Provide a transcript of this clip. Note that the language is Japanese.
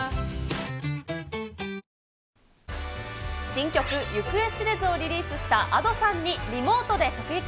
新曲、行方知れずをリリースしたＡｄｏさんにリモートで直撃。